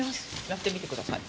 やってみてください。